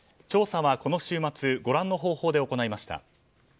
調査はこの週末ご覧の方法で行いました。